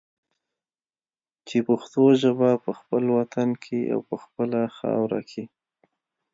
چې پښتو ژبه په خپل وطن کې او په خپله خاوره کې